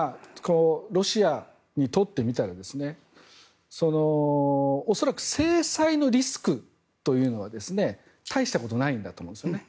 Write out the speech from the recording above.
ロシアにとってみたら恐らく制裁のリスクというのは大したことないんだと思うんですよね。